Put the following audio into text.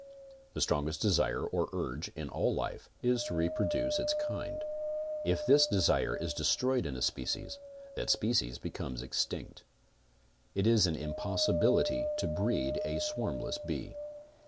The strongest disire or urge in all life is to reproduce its kind. If this disire is destroyed in a species that species becomes extinct. It is an impossibility to breed a swarmless bee.